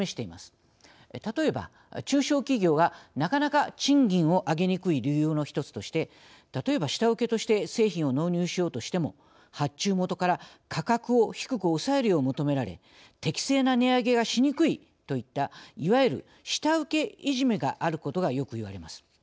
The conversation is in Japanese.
例えば中小企業がなかなか賃金を上げにくい理由の１つとして例えば下請けとして製品を納入しようとしても発注元から価格を低く抑えるよう求められ適正な値上げがしにくいといったいわゆる下請けいじめがあることがよくいわれます。